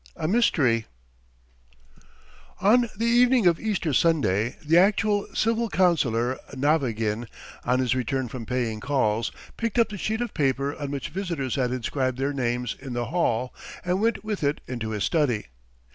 A MYSTERY ON the evening of Easter Sunday the actual Civil Councillor, Navagin, on his return from paying calls, picked up the sheet of paper on which visitors had inscribed their names in the hall, and went with it into his study.